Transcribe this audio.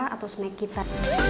atau snack kita